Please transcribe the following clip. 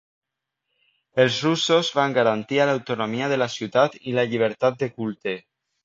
Els russos van garantia l'autonomia de la ciutat i la llibertat de culte.